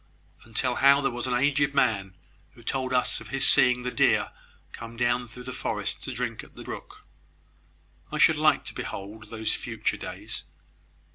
"And tell how there was an aged man, who told us of his seeing the deer come down through the forest to drink at the brook. I should like to behold those future days."